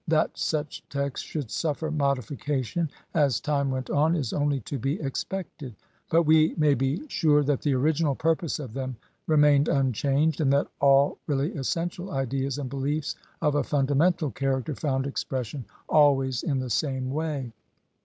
That such texts should suffer modification as time went on is only to be expected, but we may be sure that the original purpose of them remained unchanged, and that all really essential ideas and beliefs of a fundamental character found expression always in the same way.